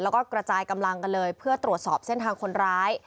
แล้วก็กระจายกำลังกันเลยเพื่อตรวจสอบเส้นทางคนร้าย